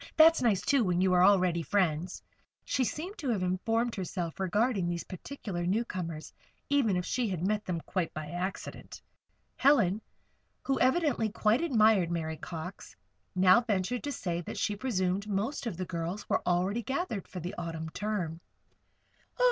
That's nice, too, when you are already friends." She seemed to have informed herself regarding these particular newcomers, even if she had met them quite by accident. Helen, who evidently quite admired Mary Cox, now ventured to say that she presumed most of the girls were already gathered for the Autumn term.